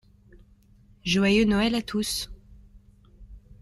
Joyeux Noël à tous!